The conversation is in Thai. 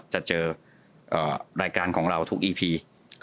จะเจอรายการของเราทุกอีพี